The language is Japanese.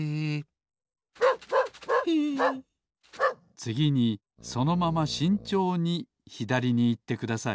つぎにそのまましんちょうにひだりにいってください